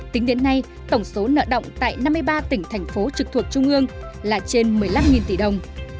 tính đến nay tổng số nợ động tại năm mươi ba tỉnh thành phố trực thuộc trung ương là trên một mươi năm tỷ đồng